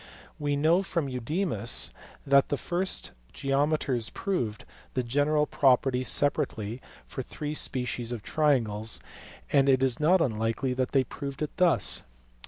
We know from Eudemus that the first geometers proved the general property separately for three species of triangles, and it is not unlikely that they proved it thus.